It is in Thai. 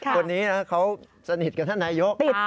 คนนี้เขาสนิทกับนายยกรัฐมนตรี